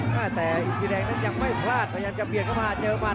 แต่อีซีแดงนั้นยังไม่พลาดมันยังจะเปลี่ยนเข้ามาเจอมัน